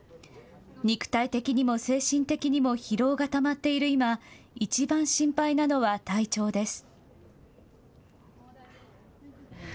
肉体的にも精神的にも疲労がたまっている今、一番心配なのは体調です。